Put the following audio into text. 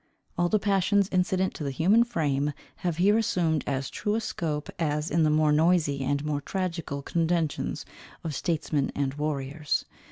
All the passions incident to the human frame have here assumed as true a scope, as in the more noisy and more tragical contentions of statesmen and warriors.